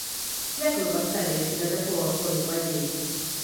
Як вы паставіліся да такога ходу падзей?